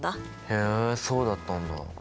へえそうだったんだ。